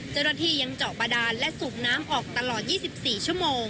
เจ้าหน้าที่ยังเจาะบาดานและสูบน้ำออกตลอด๒๔ชั่วโมง